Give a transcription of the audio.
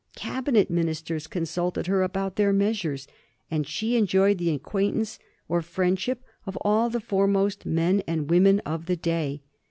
Cabinet ministers consulted her about their measures, and she enjoyed the acquaintance or friendship of all the foremost men and women of the day.